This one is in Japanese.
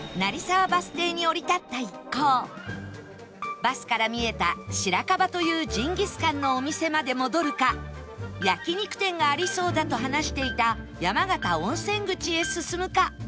バスから見えた白樺というジンギスカンのお店まで戻るか焼肉店がありそうだと話していた山形温泉口へ進むか